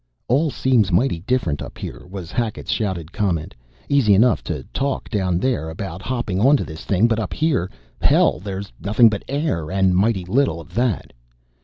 "All seems mighty different up here," was Hackett's shouted comment. "Easy enough to talk down there about hopping onto the thing, but up here hell, there's nothing but air and mighty little of that!"